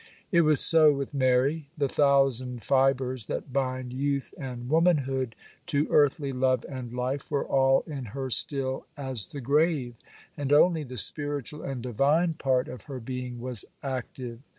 It was so with Mary: the thousand fibres that bind youth and womanhood to earthly love and life were all in her still as the grave, and only the spiritual and divine part of her being was active.